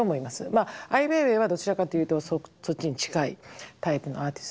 まあアイ・ウェイウェイはどちらかというとそっちに近いタイプのアーティストだと思います。